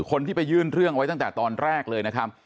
คนที่ไปยื่นเรื่องไว้ตั้งแต่ตอนแรกเลยนะครับ